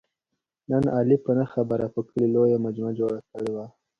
نن علي په نه خبره په کلي لویه مجمع جوړه کړې وه.